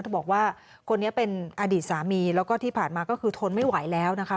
บอกว่าคนนี้เป็นอดีตสามีแล้วก็ที่ผ่านมาก็คือทนไม่ไหวแล้วนะคะ